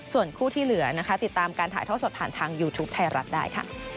ส่วนคู่ที่เหลือนะคะติดตามการถ่ายทอดสดผ่านทางยูทูปไทยรัฐได้ค่ะ